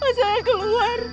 pas saya keluar